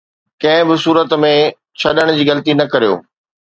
ڪنهن به صورت ۾ ڇڏڻ جي غلطي نه ڪريو